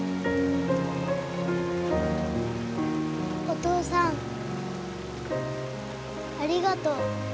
お父さんありがとう。